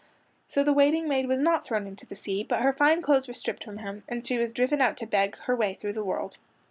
So the waiting maid was not thrown into the sea, but her fine clothes were stripped from her, and she was driven out to beg her way through the world.